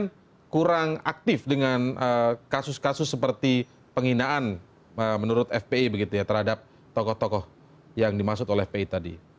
kemudian kurang aktif dengan kasus kasus seperti penghinaan menurut fpi begitu ya terhadap tokoh tokoh yang dimaksud oleh fpi tadi